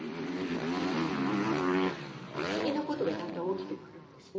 不思議なことがだんだん起きてくるんですね。